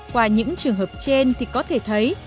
qua những trường hợp trên thì có thể thấy